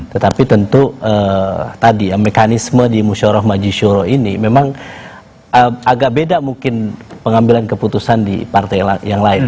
tetapi tentu tadi ya mekanisme di musyoroh majisyuroh ini memang agak beda mungkin pengambilan keputusan di partai yang lain